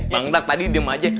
bang dag tadi diam aja